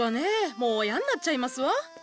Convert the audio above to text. もうやんなっちゃいますわ。